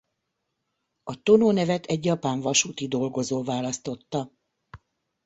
A Tono nevet egy japán vasúti dolgozó választotta.